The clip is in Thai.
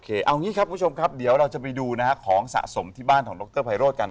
เอางี้ครับคุณผู้ชมครับเดี๋ยวเราจะไปดูนะฮะของสะสมที่บ้านของดรไพโรธกัน